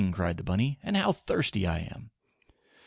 cried the bunny, "And how thirsty I am!"